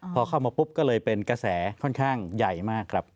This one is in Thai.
พอเข้ามาปุ๊บก็เลยเป็นกระแสค่อนข้างใหญ่มากครับ